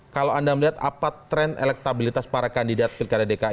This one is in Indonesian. kalau anda melihat apa tren elektabilitas para kandidat pilkada dki